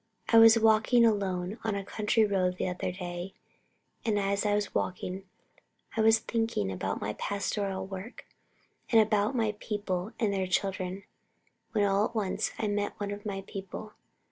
I was walking alone on a country road the other day, and as I was walking I was thinking about my pastoral work and about my people and their children, when all at once I met one of my people.